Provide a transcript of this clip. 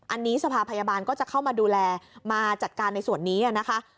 อันนี้สภาพพยาบาลก็จะเข้ามาดูแลมาจัดการในส่วนนี้นะคะ